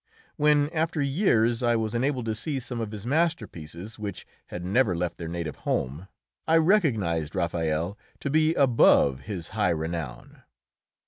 When, after years, I was enabled to see some of his masterpieces, which had never left their native home, I recognised Raphael to be above his high renown.